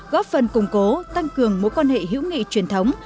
góp phần củng cố tăng cường mối quan hệ hữu nghị truyền thống